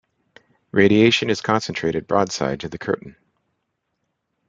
Radiation is concentrated broadside to the curtain.